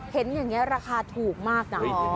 เห็นอย่างนี้ราคาถูกมากนะ